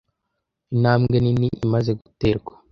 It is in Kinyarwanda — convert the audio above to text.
Intambwe nini imaze guterwa.